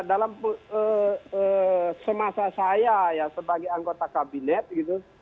dalam semasa saya ya sebagai anggota kabinet gitu